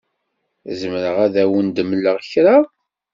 Zemreɣ ad awen-d-mleɣ kra?